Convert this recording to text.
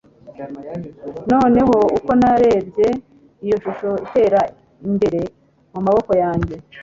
Noneho uko narebye iyo shusho itera imbere mumaboko yanjye